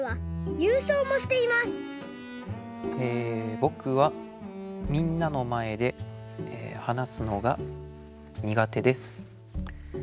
「ぼくはみんなのまえではなすのがにがてです」。